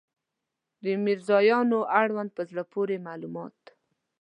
د مېږیانو اړوند په زړه پورې معلومات